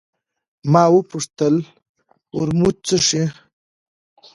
ما وپوښتل: ورموت څښې؟